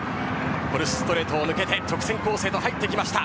フォルスストレートを抜けて直線コースへと入ってきました。